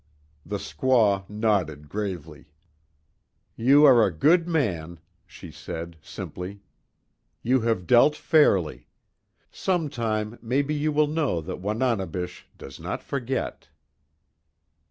The squaw nodded gravely: "You are a good man," she said, simply. "You have dealt fairly. Sometime, maybe you will know that Wananebish does not forget."